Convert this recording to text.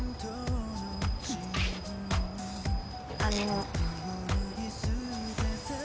あの。